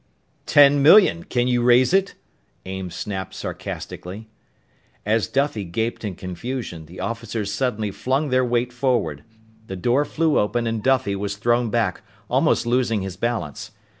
"Ten million! Can you raise it?" Ames snapped sarcastically. As Duffy gaped in confusion, the officers suddenly flung their weight forward. The door flew open and Duffy was thrown back, almost losing his balance.